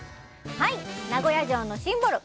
はい名古屋城のシンボル